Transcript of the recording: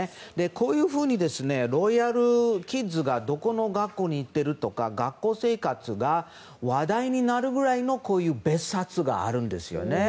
こういうふうにロイヤルキッズがどこの学校に行ってるとか学校生活が話題になるぐらいの別冊があるんですね。